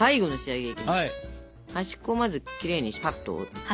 端っこをまずきれいにスパッと。